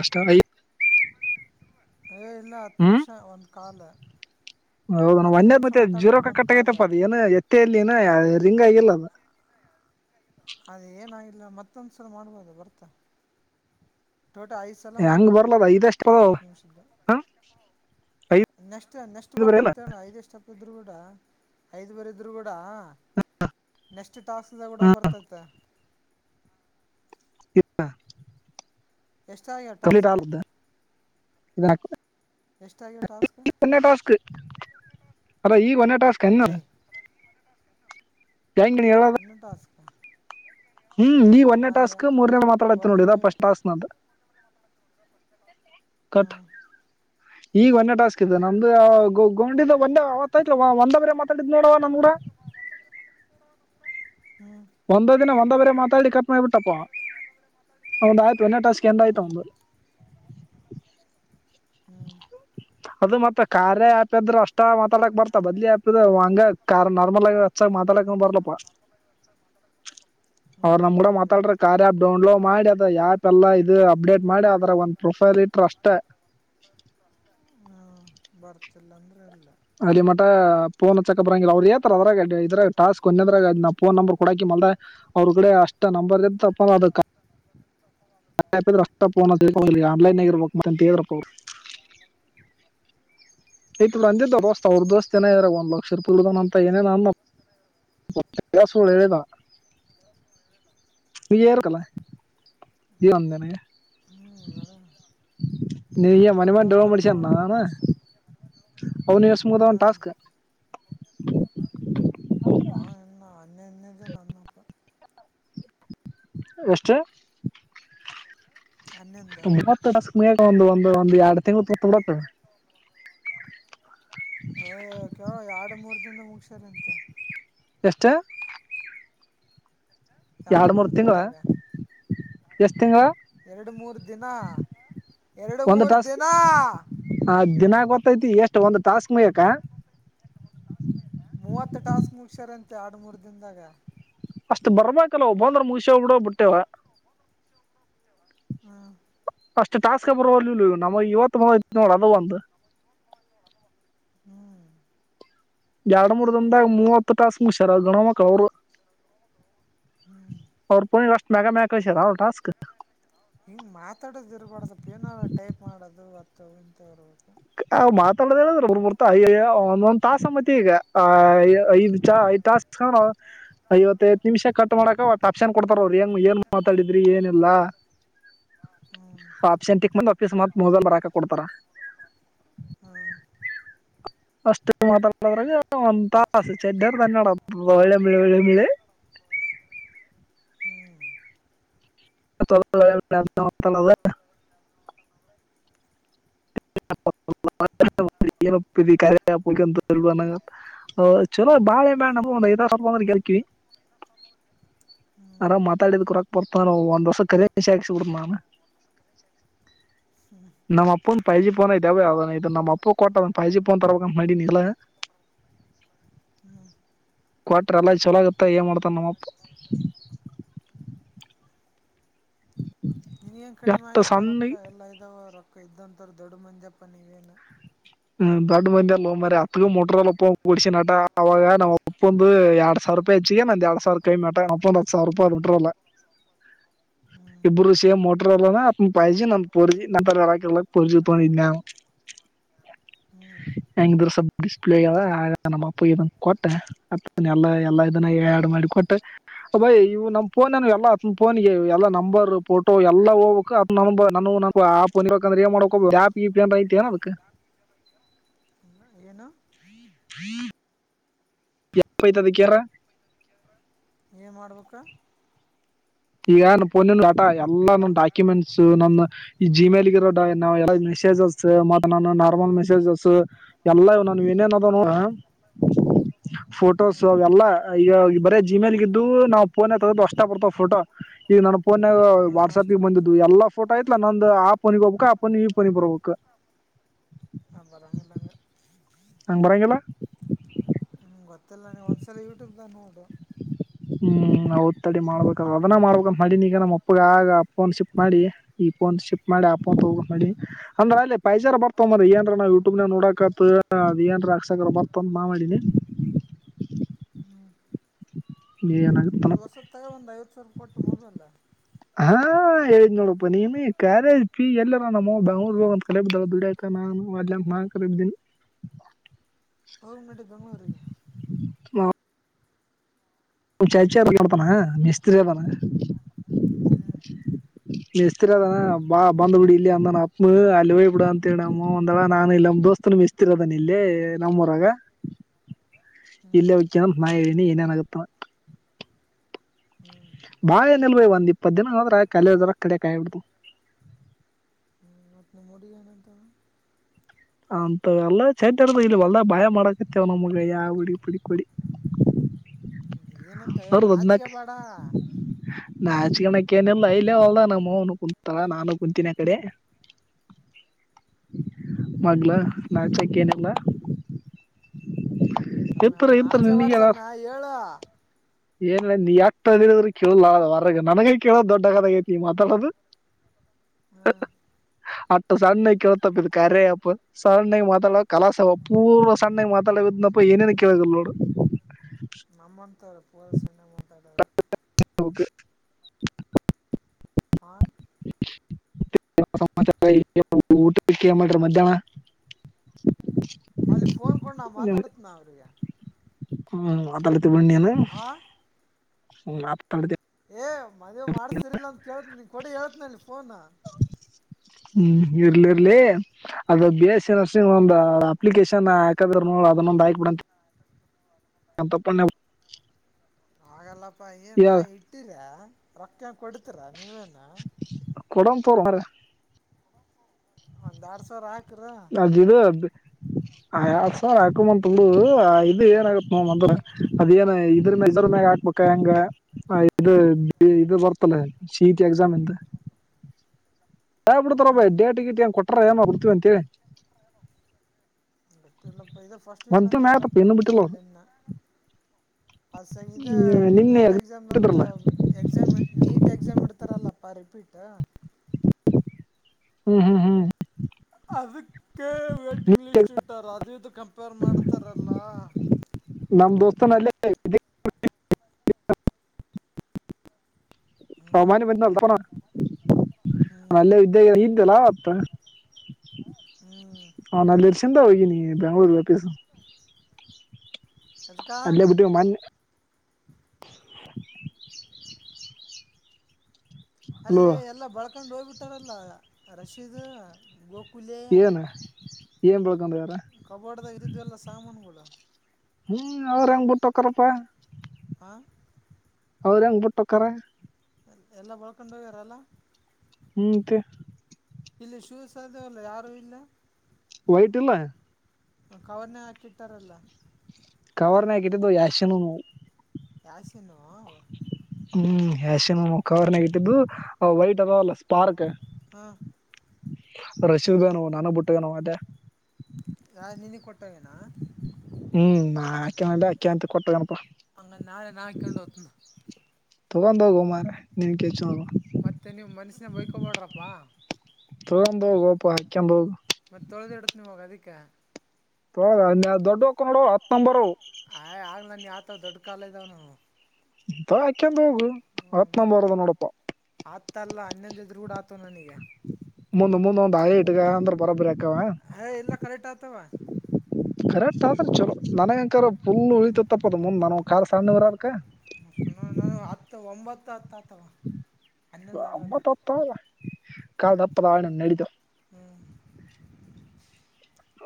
ಅಷ್ಟಯ ಏ ಇಲ್ಲ ಹತ್ತು ನಿಮಿಷ ಒಂದ ಕಾಲ ಹೌದಾ ಮನ್ದ ಮತ್ತೆ ಜೀರೋಕ ಒಂದು ಕಾಲ್ ಕಟ್ಟಕೈತಪ್ಪ ಅ ಏನು ಎತ್ತಲ್ಲಿ ನ ರಿಂಗ್ ಆಗಿಲ್ಲ ಅಲ್ಲ ಅದ ಏನಾಗಿಲ್ಲ ಮತ್ತೊಂದ್ಸಲ ಮಾಡ್ಬೋದು ಬರ್ತಾ ಟೋಟ ಐದು ಸಲ ಹೆಂಗ್ ಮಾತಾಡ್ಬೇಕು ಬರ್ಲದ ಐದಷ್ಟ ಹತ್ತುತ್ತು ನಿಮಿಷ್ದ ಹ ಐದು ನೆಟ್ ಮ ನೆಕ್ಸ್ಟ್ ಬರಲ್ಲ ಬರ್ತತ್ತ ಅಣ ಐದ ಎಷ್ಟಪ್ಪ ಇದ್ರು ಕೂಡ ಐದ್ ಬರಿದ್ರು ಕೂಡಾ ನೆಸ್ಟ್ ಟಾಸ್ಕ್ ದ ಕೂಡ ಬರ್ತತೆ ಶಪ್ಪ ಎಷ್ಟ್ಯ ಟಾಸ್ಕ್ ಟಾಕ್ ಎಷ್ಟಾಗ್ಯ ಅ ಟಾಸ್ಕ್ ಈಗ ಒ ಟಾಸ್ಕ್ ಕಲ್ಲ ಐ ಅ್ಣ ಸ್ಕ ಹ್ಮ್ ಈ ಒಂದನೇ ಟಾಸ್ಕ್ ಮೂರನೇ ಮಾತಾಡತ್ತ ನೋಡಿ ಒಂದು ಫಸ್ಟ್ ಟಾಸ್ಕ್ ನದ ಕಟ್ ಹ ಈಗ ಒಂದೇ ಟಾಸ್ಕ್ ಇದೆ ನಮ್ದು ಗೊಂಡಿದ ಒಂದೇ ಅವತ್ತ ಆಯ್ತ್ ಒಂದ ಬೇ ಮಾತಾಡಿದ್ ನೋಡವ ನಮ್ ಕೂಡ ಕ ಒಂದ ದಿನ ಒಂದ ಬರೆ ಮಾತಾಡಿ ಕತ್ನೋಗ್ಬಿಟ್ಟಪ್ಪ ಒಂದ ಆಯ್ತು ನಟಾಸ್ಕ ಎಂದ ಹ್ಞೂ ಆಯ್ತಾ ಒಂಬಲ್ಲ ಹ್ಮ್ ಅದು ಮತ್ತ ಕ ಆ್ಯಪ್ ಇದ್ರೆ ಅಷ್ಟ ಮಾತಾಡಕ್ ಬರ್ತ ಬದಲಿ ಆಪ್ ಹಂಗ ಕಾರ್ ನಾರ್ಮಲ್ ಆಗಚ್ಚ ಮಾತಾಡ ಬರ್ಲಪ್ಪಾ ಸ ಅವ್ರ ನಮ್ ಕೂಡ ಮಾತಾಡ್ರ ಕಾರ್ಯಪ್ ಡೌನ್ಲೋಡ್ ಮಾಡಿ ಅದ ಆ್ಯಪ್ ಎಲ್ಲಾ ಇದು ಅಪ್ಡೇಟ್ ಮಾಡಿ ಅದ್ರ ಒ ಪ್ರೂಫ್ ಟ್ರಸ್ ಹ್ಞೂ ಬರ್ತಿಲ್ಲ ಅಂದ್ರೆ ಹೇಳ ಅಲ್ಲಿ ಮಠ ಫೋನ್ ಹ ಚಕ ಬರಂಗಿಲ್ಲ ಅವ್ರರು ಯತರ ಅದ್ರಾಗ ಇದ್ರ ಟಾಸ್ಕ್ ಒಂದದ್ರಾಗ ನಂಬರ್ ಕೊಡಾಕಿ ಅವ್ರ ಕಡೆ ಅಷ್ಟ ನಂಬರ್ ಇ ತಪ್ಪಂದ್ರ ಅದ ಅಷ್ಟೋ ಆನ್ಲೈನ್ ಆಗಿರ್ಬೇಕಕ್ ಮತ್ತೆಂತ ಹೇಳ್ರಪ್ಪ ಅವರು ಹ್ಞೂ ಅಂದಿದ್ದ ದೋಸ್ತ ಅವ್ರ ದೋಸ್ತ ಏನ ಇದಾರೆ ಒಂದ ಲಕ್ಷ ರೂಪಾಯಿಳ್ದ ಅಂತ ಏನೇ ನ ಅ ಹಸಡೆದ ಹ್ಞೂ ವಿಜರ್ಕ ಇ ಒಂದಂದನ ಹ್ಞೂ ಅದ ನೀ ಅದ ಮಣಿಮನ್ ಡ ಬಂದಂಥ ರೊಕ್ಕ ಮುಡಚ ನಣ ಅಂದನಪ್ಪ ಅಷ್ಟೆ ಅ ನೀಯ ಸಂಬಧದಬನ್ ಹಾಂ ಟಸ್ಕ ಹಾ ಇ ಅನ್ನನ್ನಜ ನನ್ನಪ ಎಷ್ಟಷ್ಟೇ ಅನ್ನ ಎಂದ ಯಾಕ ಒಂದು ಒಂದು ಒಂದು ಎರಡು ತಿಂಗಳ ತಂಬರತ್ತ ಏ ಕೆವ ಎರಡು ಮೂರ್ ದನ್ ಮುಗಸ್ಯಾರ ಅಂತೆ ಚಷ್ಟಟಾ ಎರಡು ಮೂರ್ ದಿನದಾಗ ಎಷ್ಟ ಎರಡು ಮೂರು ದಿನ ಎರಡು ಒಂದ್ ಮೂರು ಟಾಸ್ಕ್ ದಿನ ದಿನ ಗೊತ್ತೈತಿ ಎಷ್ಟು ಒಂದು ಟಾಸ್ಕ್ ಮಯಕ. ಮೂವತ್ತು ಟಾಸ್ಕ್ ಮುಗಸಾರ ಅಂತೆ ಆಡ್ ಮೂರ್ ದಿನದಾಗ ಅಷ್ಟ್ ಬರ್ಬೇಕಲ್ಲ ಒಬ್ಬಂದ್ರ ಮುಗಸ್ ಬಿಡ ಬಿಟ್ಟೆವ ಹ್ಮ ಅಷ್ಟು ಾಸ್ಕ್ ಬರುವ ನಮ ಇವತ್ತು ಮ ನೋಡ ಅದು ಒಂದು ಹ್ಮ್ ಎರಡು ಮೂರು ದದಾಗ ಮೂವತ್ತು ಟಾಸ್ ಮುಷಾರ ಗಣಮ್ಮಕ್ ಅವರು. ಹ್ಞೂ ಅವ್ರು ಪಿಷ್ಟ ಮಗ ಮ ಅವ ಟಾಸ್ಕ್ ಹಿಂಗ್ ಮಾತಾಡೋದು್ ಇರಬಾರಡ ಸ್ವಲ್ ಪನ ಟೈಪ್ ಮಾಡೋದು ಅತ್ತು ಇಂತವರು. ಮಾತಾಡೋದದ್ರ ಒ್ರ ಬರ್ತ ಅಯ್ಯಯ್ಯ ಒಂದೊಂದ್ ತಾಸ ಮತ್ತ ಈಗ ಐದ್ ಐ ಟಾಸ್ಕ್ ಐವತ್ತೈದು ನಿಮಿಷ ಕಟ್ ಮಾಡಕ ಅವ ಅಪ್ಸನ್ ಕೊಡ್ತಾರ ಅವರು ಹೆಂಗ ಏನ್ ಮಾತಾಡಿದ್ರಿ ಏನಲ್ಲಾ ಹ್ಞೂ ಅಪ್ಸನ್ಕ್ ಬಂದ ಅಫೀಸ್ ಮತ್ತ್ ಮೊಬೈಲ್ ಬರಾಕ ಕೊಡ್ತಾರ ಹಾ ಅಷ್ಟು ಮಾತಾಡದ್ರಾಗ ಒಂತಾಸ ಚೆಡ್ಜರ್ ತನ್ನಡ ಒಳ್ಳೆಂಬಳಿ ಒಳ್ಳೆಂಬಳಿ ಹ ಹ್ಮ್ [inaudible] ತ ಬ ಬಾಯ ಬಪ್ಪ ಅಂದ ಇದ್ ಸ್ರೆ ಕೇಳ್ಕವಿ ಹ್ಞೂ ಆರಾಮ್ ಮಾತಾಡಿದ ಕೊರಕ್ ಬರ್ತಾನ ಒಂದ್ ವರ್ಷ ಕರಿ ಶಾಕ್ಸಬಡ ನಾನು. ಹ್ಮ ನಮ್ಮ ಅಪ್ಪನ್ ಪೈಜಿ ೋನ್ ಐತೆಾವದ ನಮ್ಮಪ್ಪ ಕೊಟ್ಟ ಪೈಜಿಫೋನ್ ತರಬೇಕಂತ ಮಾಡಿ ನೀಲ್ಲ ಹ್ಞೂ ಕ್ವಾರಟ್ರ ಎಲ್ಲ ಚಲೋಗತ್ತ ಏನ್ ಮಾಡ್ತಾನ ನಮ್ಮಪ್ಪ ನೀವ ನ್ ಕಡಿಮೆ ಎಷ್ಟು ಆಗಿತ್ತುವ ಸಣ್ಣ ರೊಕ್ಕ ಎಲ್ಲಾ ಇದಾವ ರೊಕ್ಕ ಇದ್ದಂತವ್ರ ದೊಡ್ಡ ಮಂಂದಜಪ್ಪ ನೀವೇನು. ಹ್ಮ್ ದೊಡ್ ಮಂದಿ ಅಲ್ಲ ಮ ಅತ್ಗ ಮೊಟ್ರಲ್ ಒಪ್ಪ ಗಡಿಸಿಿ ನಟ ಅವಾಗ ನಮ್ಮ ಅಪ್ಪ ಒಂದು ಎರಡ್ ಸಾವಿರ. ರುಪಾಯ್ ಹೆಚ್ಚಿಗೆ ನಂದ ಯಡ ಸಾವರ ಕ ಅಟ್ಟ ನಮ್ಮ ಅಪ್ಪಂದ ಹತ್ತ ಸವರಾ ಪಾಯಿ ಬಿಟ್ಟಿರಾಲ. [inaudible] ಇಬ್ಬರು ಸೇಮ್ ಮೋಟ್ರರ್ ಅಲ್ಲ ಅದ ಪೈಜಿ ನಮ್ ಪೋರ್ಜಿ ನಂತರಾಕ ಪೋರ್ಜಿ ತಗೊಂಡಿದ್ನ ನಾನ [inaudible] ಹೆಂಗ ಇದ್ರೂ ಸ್ವಲ ಡಿಸ್ಪ್ಲೇಯ್ಯ ಅದ ನಮ್ಮ ಅಪ್ಪಗ ಇದನ್ ಕೊಟ್ಟ ಅ ಎಲ್ಲ ಎಲ್ಲಾ ಇದನ ಯಾಡ ಮಾಡಿಕೊಟ್ಟೆ ಅಭಯ್ ಇವ್ ನಮ್ ಫೋನನಾನು ಎಲ್ಲ ಆತನ ಫೋನಗ ಎಲ್ಲ ನಂಬರ್ ಫೋಟೋ ಎಲ್ಲಾ ಹೋಗ್ಕ್ ಅದ ನ ನ ನ ಆ ಪ ನಿರ್ಬೇಕಂದ್ರ ಆಪ್ ಗಿಪ್ ಏನಾರ ಐತೇನ ಅದ್ಕ [inaudible] ಏನು [inaudible] ಆಪ್ ಐತಿ ಅದಕ ಏರ್ ಏನ್ ಮಾಡ್ಬೇಕ. ಈಗ ನ ಪೋನಿನ ಡಾಟ ಅಲೋ ಎಲ್ಲಾನ ಡಾಕ್ಯುಮೆಂಟ್ಸ್ ನ ಈ ಜಿಮೇಲ್ಗಿರೋ ನ ರ ಮೆಸೇಜಸ್ ಮ ನ ನಾರ್ಮಲ್ ಮೆಸೇಜಸ್ ಎಲ್ಲ ಇ ನ ಏನೇನದ [inaudible] ಫೋಟೋಸ್ ಹ್ಞೂ ಅವೆಲ್ಲ ಈ ಬರೇ ಜಿಮೇಲ್ಗ ಇದ್ದು ನಾವ ಫೋನನ್ಯಾಗ ತಗದ್ದು ಅಷ್ಟ ಬರ್ತಾವ ಫೋಟೋ. ಈಗ ನನ್ ಫೋನ್ ನ್ಯಾಗ ಹ್ಞೂ ವಾಟ್ಸಆಪ್ಗ ಅಷ್ಟೇ ಗೊತ್ತಾ ಬಂದಿದ್ದು ಎಲ್ಲಾ ಫೋಟೋ ಐತ್ಲ ನಂದ ಆಪ್ ಪನಿಕೋಬೇಕ್ಕ ಆ ಫೋನಿಗ ಇ ಫೋನಿಗ ಬರಬೇಕ. ಹ ಬರಂಗ ಇಲ್ಲಂಗ. ಹಂಗ ಬರಂಗಿಲ್ಲ. ಹ್ಞೂ ಗೊತ್ತಿಲ್ಲ ನಂಗ ಒಂದ್ಸಲ ಯೂಟ್ಯೂಬ್ ದಾಗ ನೋಡು. ಹ್ಮ ಹೌದ ತಡಿ ಮಾಡ್ಬೇಕ ಅದನ್ನ ಮಾಡ್ಬೇಕ ಮಾಡಿನ ಈಗ ನಮ್ಮ ಅಪ್ಪಗ ಆಗ ಫೋನ್ ಶಿಪ್ ಮಾಡಿ ಈ ಫೋನ್ ಶಿಪ್ ಮಾಡಿ ಆ ಫೋನ್ ಹ್ಞೂ ತುಗೋಬೇಕ ಮಾಡೀನಿ. ಅಲ್ಲೋ ಅಲ್ಲಿ ಪೈಜ ಅರಾ ಬರ್ತ ಮ್ರ ಏನ್ರ ನಾವ ಯೂಟ್ಯೂಬ್ ನ್ಯಾಗ ನೋಡಕತ್ ಅದ ಏನ್ರ ಆಕ್ಸಕ ಅರ ಬರ್ತ ಅತ್ತ ನಾ ಮಾಡಿನಿ. [inaudible] ಒಂದ ಏನಾಗುತ್ತನ ವರ್ಷದ ತಗ ಒಂದ ಐವತ್ತ ಸಾವಿರ ಕೊಟ್ಟ ಮೊಬೈಲ್. ಹಾ ಹೇಳಿದ ನೋಡಪ್ಪ ನೀನ ಕ್ಯಾರೇಜ್ ಫಿ ಎಲ್ಲನ ನಮ್ಮ ಬೆಂಗಳೂರ್ ಹ ಕಲಡ ಬಿಡಾಕ ನಾನು ಒಲ್ಲ ಅಂತ [unintelligible] ಹೌ ನಡಿ ಬೆಂಗಳೂರಿಗಿ ಹಾ ಹ ಚಾಚಡ್ತಾನ ಮಿಸ್ತ್ರಿ ಅದಾನ. ಹ್ಮ. ಮೇಸ್ತ್ರಿ ಅದನ ಬಾ ಬಂದ್ ಬಿಡ ಇಲ್ಲಿ ಅಂದನ ಅಪ್ಪ ಅಲ್ಲಿ ಹೊಯ್ ಬಿಡ ಅಂತ ಹೇಳಿ ನಮ್ಮ ಅವ್ವ ಅಂದಳ ನಾನು ಇಲ್ಲ ದೋಸ್ತನ ಮೇಸ್ತ್ರಿ ಅದನ ಇಲ್ಲೇ ನಮ್ಮ ಊರಾಗ ಹ್ಞೂ ಇಲ್ಲ ಹೋಕ್ಕನ ಅಂತ ನಾ ಹೇಳೀನಿ ಏನನಗತ್ತ. ಹ್ಞೂ ಬಾಳ ಏನಿಲ್ಲರಿ ಒಂದ್ ಇಪ್ಪತ್ತ ದಿನ ಅದ್ರ ಅಕಾ ಕಡೆ ಕಾಯಿ ಹಿಡ್ದ ಮೂಡಿಯನಂತ ಅಂತ ಎಲ್ಲ ಚೇಟರ್ದ ಇಲ್ಲಿ ಹೊಲ್ದ ಬಾಳ ಮಾಡಕತ್ತೇವ ನಮ್ಗ ಯಾವಡಿ ಪಡಿ ಪಡಿ ಏನಂತ ಹೇಳ ನಾಚಕಬೇಡ. ನಾಚ್ಕನಕ್ಕ ಏನಿಲ್ಲ ಇಲ್ಲೇ ಹೊಲ್ದಗ ನಮ್ಮ ಅವನು ಕುಂತಾಳ ನಾನು ಕುಂತೀನಿ ಆ ಕಡೆ [inaudible] ಮಗ್ಲ ಹ್ಞೂ ನಾಚಕ ಏನಿಲ್ಲ. ಸಮ್ಮ ಇತ್ರ ಇತ್ರ ನಾಚಕ ಬ್ಯಾಡ ಸಮ್ಮ ಹೇಳು. ಏನ್ ನೀ ಯಾಕ ತರದ ಇರೋದ್ರ ಕೇಳ ಹೊರಗ ನನಗ ಕೇಳೋ ದೊಡ್ಡ ಕಥಗೈತಿ ಮಾತಾಡೋದು. ಹ್ಞೂ ಅಟ್ಟ ಸಣ್ಣ ಕೆಳತಪ್ಪ ಇದ ಕರ ಸಣ್ಣ ಮಾತಾಡ ಕಲಾಶಾವ ಪೂರ್ವ ಸಣ್ಣಗ ಮಾತಾಡಿದ್ನಪ್ಪ ಏನೇನ ಕೇಳದಲ್ ನೋಡು. ನಮ್ಮಂತ್ರ ಪೂರ ಸಣ್ಣ ಮಾತಾಡರು. ಹಾ [unintelligible] ಉಟಕ ಏನ್ ಮಾಡಿರ ಮದ್ಯಾನ್ಹ. ಅಲ್ಲಿ ಫೋನ್ ಕೂಡ ನಾ ಮಾತಾಡತನ ಅವ್ರಿಗ ಹ್ಮ್ [unintelligible] ಹಾ. [unintelligible] ಮದ್ ಮಾಡ್ಸ್ತಿರಿಲಿಲ್ಲ ಅಂತ ಕೇಳ್ತ ನೀ ಕೊಡಿ ಹೇಳ್ತನಲ್ಲಿ ಫೋನ್. ಹ್ಮ್ ಇರ್ಲಿ ಇರ್ಲಿ. ಅದು ಬಿ ಎಸ್ ಸಿ ನರ್ಸಿಂಗ ಒಂದ್ ಅಪ್ಲಿಕೇಶನ್ ಹಾಕದ್ರರು ನ ಅದನ್ನೊಂದ ಆಯಕ್ ಬಿಡಂತ್. ನ ತಪ್ಪನ್. ಹಾಗಲ್ಲಪ್ಪಾ ಏ ನಾ ಇಟ್ಟೀರ. ರೊಕ್ಕಂಗ ಕೊಡ್ತೀರಾ ನೀವೇನ. ಕೊಡನ ತೋರೋ ಮಾರಾಯ. ಒಂದ್ ಎರಡ್ ಸಾವಿರ ಹಾಕ್ [unintelligible] ಯಡ್ ಸಾವ ಹಾಕಂಬಂತಲ್ಲ ಇದು ಏನ ಆಗುತ್ತತ್ ನ ಅಂದ್ರ ಅದ ಏನ್ ಇದ್ರ ಮಜ್ರ ಮ್ಯಾಗ ಹಾ ಮ ಹೆಂಗ [unintelligible] ಇ ಇ ಬರ್ತಲ್ಲ ಸಿ ಇ ತಿ ಎಕ್ಸಾಮ್ ಎಂತ. [inaudible] ಹ ಬಿಡ್ತಾರ ಬ ಹ್ಞೂ ಡೇಟ ಗಿಟ್ ಏನ್ ಕೊಟಾರ ಏನ್ ಬರ್ತೀವಿ ಅಂತೇಳಿ. ಅಷ್ಟ ಇಲ್ಲಪ್ಪ ಇದ ಫಸ್ಟ್ ವೀಕ್ ಒಂದ್ ತಿಂಗ್ಳ್ ಆಯ್ತಪ್ಪ ಅಂದಿದಾರಪ್ಪ ಇನ್ನು ಬಿಟ್ಟಿಲ್ಲ ಬಿಡ್ಳ್ಳಲ್ಲಿ ಇನ್ನ. ಅ ಸ ಇ ಅವ್ರು ನಿನ್ನೆ ನೀಟ್ ಎಕ್ಸಾಮ್ ಬಿಟ್ಟಿದ್ರಲ್ಲ ಒಂದು ಎಕ್ಸಾಮ್ ನೀಟ್ ಎಕ್ಸಾಮ್ ಇಡ್ ಇಡತರಲ್ಲಪ್ಪ ರಿಪೀಟ್. ಹ್ಮ ಹ್ಮ್ ಹ್ಮ್. ಅದಕ್ಕೆ ವೇಟಿಂಗ್ ಲಿಸ್ಟ್ ಇಟ್ಟಾರ ಅದು ಇದಕ್ ಕ ಕಂಪೇರ್ ಮಾಡ್ತಾರಲ್ಲ. [inaudible] ಹ್ಞೂ ಹ ಮನೆ ಬಂದ ತಪ್ಪನ ಹ್ಞೂ ಅಲ್ಲೇ ಇದ್ಯ ಇದ್ದಲ್ಲ ಆತ್ತ. ಹ್ಞೂ ಹ ನಾ ಎರ್ಸಂತ ಹೋಗಿನಿ ನೀ ಬೆಂಗಳೂರು [unintelligible] ಎದಕ್ಕ ಅಲ್ಲೇ ಬಿಟ್ವಿ ಮನ್ನಿ. ಅಲೋ ಅಲ್ಲಿ ಎಲ್ಲಾ ಬಳ್ಕೊಂಡ್ ಹೋಗ್ಬಿಟ್ಟಾರಲ್ಲ ರಶೀದ ಗೋ ಏನ್ ಏನ್ ಬೆಳ್ಕೊಂಡ್ಯಾರ [unintelligible] ಕಬೋಡಾಗಿರೋ ಸಾಮಾನಗಳು. ಹ್ಮ್ ಅವ ರಂಗ ಬಿಟೊಕರಪ್ಪ. ಹ. ಅವ್ರ ಹಂಗ್ಬುಟ್ಟಕ್ಕಾರೆ. ಎಲ್ಲ ಬಳ್ಕೊಂಡು ಹೋಗ್ಯಾರಲ್ಲ. [unintelligible] ಇಲ್ಲಿ ಶೂಸ್ ಅದುಲ್ಲ ಯಾರು ಇಲ್ಲ. ವೈಟ್ ಇಲ್ಲ. ಕವರ್ನೇಗ ಹಾಕಿಟ್ಟಾರಲ್ಲ. ಕವರ್ನಯಾಗ ಇಟ್ಟಿದ್ದು ಯಾಷಿನುನೂ ಅವ. ಯಾಶೀನು. ಹ್ಮ್ ಯಶನ್ ಕವರ್ನಾಗ ಇಟ್ಟಿದ್ದು ವೈಟ್ ಅದಲ್ಲ ಸ್ಪಾರ್ಕ್. ಹ. ರಶಿವಗ [unintelligible] ನಾನ ಬುಟ್ಟಗ ನೋ ಅದ. ಯಾರ್ ನಿನಗ ಕೊಟ್ಟ ಹೋಗ್ಯಾನ. ಹ್ಮ್ ನಾಕ ಯಾಕೆಂತ ಕೊಟ್ಟ ಹೋಗ್ಯಾನಪ್ಪ. ಅವನ ನಾಳೆ ನಾ ಹಾಕೊಂಡ್ ಹೋಗ್ತೇನ. ತಗೊಂಡಂದು ಹೊಗೊ ಮಾರಾಯ [unintelligible] ಮತ್ತೆ ನೀವ ಮನಸನ್ಯಾಗ ಬೈಕೊಬೋಡ್ರಪ್ಪಾ. ತೊಂದ ಹೋಗೋ ಪಾ ಹಾಕೆಂದ ಹೋಗ. ಮತ್ತ ತೊಳದ ಇಡ್ತೇನ ಇವಾಗ ಅದಕ್ಕೆ. [unintelligible] ದೊಡ್ದು ಆಕ್ಕವ ನೋಡು ಹತ್ ನಂಬರ್ ಅವು. ಆಯ್ ಆಂಗ್ಲನ್ ಯಾವತಾವ್ ದೊಡ್ಡ ಕಾಲ ಇದ್ದಾವನು ಬಾ ಯಾಕಂದ ಹೋಗು ಹತ್ ನಂಬಾರದ ನೋಡಪ್ಪಾ ಆತ್ತಲ್ಲ ಮುಂದ ಮುಂದ ಒಂದ್ ಹಳೆ ಇಟ್ಗ ಅಂದ್ರೆ ಬರಬರಅಕತ್ತಿ ಹ ಎಲ್ಲ ಕರೆಕ್ಟ್ ಆಗ್ತಾವ ಕರೆಕ್ಟ್ ಆದ್ರೆ ಚಲೋ ನನಗಕಾರ ಪುಲ್ ಉಳಿತತ್ತಪ್ಪದ ಮುಂದ್ ನನ ಕಾರ್ ಸಣ್ಣ ಇರೋದಕ ಒಂಬತ್ತತ್ತು ಒಂಬತ್ತಹತ್ತ ಕಾಲ ದಪ್ಪ ಆದವಲ್ಲ ನಡಿತೈತಿ ಹ್ಞೂ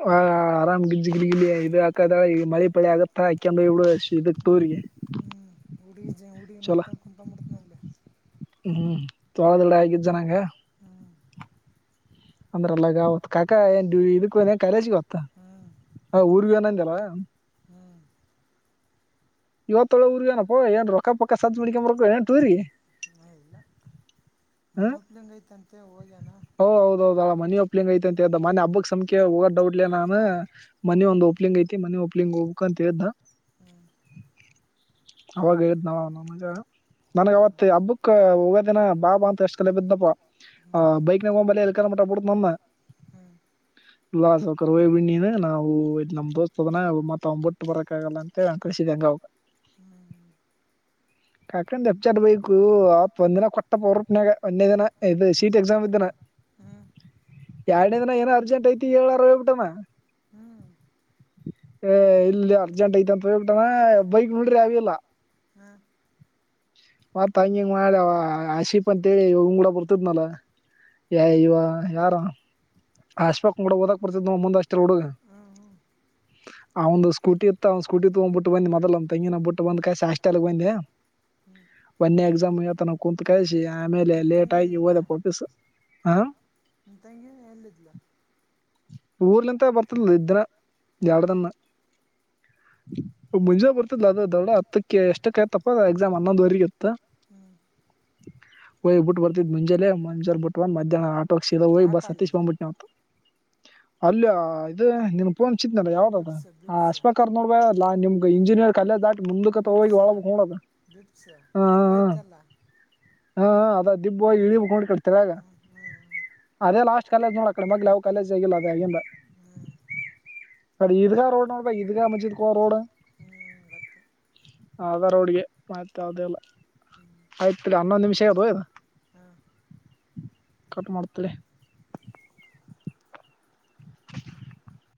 ಆ ಆರಾಮ್ ಗಿಜಿ ಗಿಲಿ ಗಿಲಿ ಇದು ಹಾಕದಾಗ ಈ ಮಳಿ ಪಳಿ ಆಗತ್ತಾ ಹಾಕೊಂಡು ಹೋಗ್ಬಿಡೋದು ಟೂರಿಗೆ ಹ್ಮ ಹುಡುಗಿ ನೋಡ್ಕೊಂತಾ ಕುತ್ಕೊಂಡು ಬಿಡೋದು ಹ್ಮ್ ತೋಳ ದಡ ಆಗಿದ್ ಹ್ಞೂ ಅಂದ್ರಲ್ಲ ಅವತ್ ಕಾಕಾ ಏನ್ ಇದಕ್ಕ ಕಾಲೇಜಿಗೆ ಇವತ್ತು ಹ್ಞೂ ಊರಿಗೆ ಹೋಗ್ಯಾನ ಐತಲ್ಲಾ ಹ್ಮ್ ಇವತ್ತೊಳೆ ಊರ್ಗೇನಪ್ಪೋ ಏನ್ ರೊಕ್ಕ ಪಕ್ಕ ಸಜ್ ಮಾಡ್ಕೊಂಬರಕ್ಕೆ ಹೋಗ್ಯಾನ ಏನ್ ಟೂರಿಗೆ ಹ್ಮ ಇಲ್ಲ ಮನೆ ಹ್ಮ್ ಒಪ್ಲಂಗೆ ಐತಂತೆ ಹೋಗ್ಯಾನ ಓ ಹೌದ ಹೌದ ಮನಿ ಒಪ್ಲಿಂಗ ಐತೆ ಅಂತ್ದ ಮನೆ ಹಬ್ಬಕ ಸಹ ಹೋಗೋ ಡೌಟ್ಲ ನಾನ ಮನೆ ಒಂದ ಓಪ್ಲಿಂಗ್ ಐತಿ ಮನೆ ಓಪ್ಲಿಂಗ ಹೋಗಬೇಕು ಅಂತ ಹೇಳ್ದ ಹ್ಞೂ ಅವಾಗ ಹೇಳಿದ್ದಾವ ನನ್ಗ ಅವತ್ತ ಹಬ್ಬಕ ಹೋಗದಿನ ಬಾಬಾ ಅಂತ ಎಷ್ಟ ಕಲೆ ಬಿದ್ನಪ್ಪ ಆ ಹ್ಞೂ ಎಲ್ಲಿ ಕ ಮಟಬಡ ನಮ್ಮ ಹ್ಞೂ ಈ ಕಡೆ ಹೋಗ್ಬಿಡು ನೀನು ನಾವು ನಮ್ಮ ದೋಸ್ತದನ ಮತ್ತ ಅವನ ಬಿಟ್ಟು ಬರಾಕ್ ಆಗೋದಿಲ್ಲ ಅಂತ ಕಳಿಸಿದ್ದೆ ಹಂಗೆ ಅವರ್ನ ಹ್ಮ್ ಕಾಕಾಂದ ಎಪ್ಚಾರ್ ಬೈಕು ಆತ್ ಒಂದಿನ ಕೊಟ್ಟಪ್ಪ ಅವ್ರಪ್ನಾಗ ಒನೆ ದಿನ ಇದು ಸೀಟ್ ಎಕ್ಸಾಮ ಇದ್ದನಾ ಹ್ಞೂ ಎರಡನೇ ದಿನ ಏನ ಅರ್ಜೆಂಟ್ ಐತಿ ಹೇಳಾರ ಹೋಗ್ಬಿಟ್ಟಾನ ಹಾ ಏ ಇಲ್ಲಿ ಅರ್ಜಂಟ್ ಐತ ಅಂತ ಹೋಗ್ಬಿಟ್ಟಾನ ಬೈಕ್ ನೋಡಿದ್ರ ಯಾವು ಇಲ್ಲ ಹ್ಮ ಮತ್ ಹಂಗ ಹೆಂಗ ಮಾಡಿ ಆವಾ ಆಶೀಪ ಅಂತೇಳಿ ಹುಡುಗುರ್ ಕೂಡ ಬರ್ತದ್ನಲ್ಲ ಹೇ ಇವ ಯಾರವನು ಅಷ್ಟಪಕ್ಡ ಕೂಡ ಓದಕ್ ಬರ್ತದನ ನೋಡ ಮುಂದ ಹಾಸ್ಟೆಲ್ ಹುಡುಗ ಹ ಆ ಒಂದು ಸ್ಕೂಟಿ ಇತ್ತ ಅವ್ ಸ್ಕೂಟ ತೊಗೊಂಡು ಬಿಟ್ಟ ಬಂದ ಮೊದಲ ನಮ್ಮ ತಂಗಿಯನ್ನು ಬಿಟ್ಟ ಬಂದ ಕಾಯಸಿ ಹಾಸ್ಟೆಲ್ಗೆ ಬಂದೆ [unintelligible] ಒನ್ನೇ ಎಕ್ಸಾಮ್ ಗೆ ಹೇಳ್ತಾನೆ ಕುಂತ ಕಳಿಸಿ ಆಮೇಲೆ ನಿಮ್ಮ ಲೇಟ್ ತಂಗಿ ಆಗಿ ಎಲ್ಲಿದ್ಲ ಓದಕ್ಕೆ ವಾಪಸ್ ಹ ನಿಮ್ಮ ತಂಗಿ ಎಲ್ಲಿದ್ಲು ಊರಿಂದ ಬರ್ತಿದ್ಲು ಇಷ್ಟ್ ದಿನ ಹ್ಞೂ ಎರಡು ದಿನ ಮುಂಜಾಗೆ ಬರ್ತದ ಅದು ಬೇಗ ಹತ್ತಕ್ಕೆ ಎಷ್ಟಕ್ಕಾಯತಪ್ಪ ಎಕ್ಸಾಮ್ ಹನೊಂದುವರೆಗೆ ಇತ್ತು ಹ್ಮ್ ಹೋಗ್ ಬಿಟ್ಟ ಬರ್ತಿದ ಮುಂಜಾನೆ, ಮುಂಜಾನೆ ಬಿಟ್ಟ ಮಧಹ್ನ ಆಟೋ ಕೆ ಸೀದಾ ಹೋಗಿ ಯಾವ ಬಸ್ ಹತ್ತಿಸಿ ಕಾಲೇಜ ಬಂದ್ಬಿಟ್ನಿ ಅಲ್ಲೇ ಇದು ನಿನ್ ಫೋನ್ ಿತ್ನ ಯಾವ್ದದ ಬಿಪ್ಸ ಆ ಬಿಪ್ಸ ಅಶಪಾಕರ್ ನೋಡಲ್ಲ ನಿಮ್ಗೆ ಇಂಜಿನಿಯರ್ ಕಲ್ಯ ದಾಟಿ ಮುಂದಕತ್ತ ಹೋಗಿ ಒಳ ಹೋಗಬೇಕು ದಿಪ್ಸ ದಿಬ್ಬ ಐತಲ್ಲ ಹಾ ಅದ ದಿಬ್ಬವಾಗಿ ಇಳಿಬೇಕು ಕೆಳಗೆ ಹ್ಞೂ ಹ್ಞೂ ಅದೇ ಲಾಸ್ಟ್ ಕಲ್ಲು ಐತಿ ನೋಡೋ ಆಕಡೆ ಈ ಕಡೆ ಯಾವ ಕಾಲೇಜು ಆಗಿಲ್ಲ ಆ ಕಾಲೇಜಾಗಿಂದ ಹ್ಞೂ ಅದು ಈದ್ಗಾ ರೋಡ್ ಈದ್ಗಾ ಮದಿದ್ಕೊರ್ ರೋಡ್ ಹ್ಞೂ ಗೊತ್ತು ಅದ ರೋಡಿಗೆ ಮತ್ತೆ ಯಾವುದು ಇಲ್ಲ ಆಯ್ತು ತಗೋ ಹನೊಂದು ನಿಮಿಷ ಯಾಗಿದೆ ಹಾ ಕಟ್ ಮಾಡ್ತಿ [unintelligible]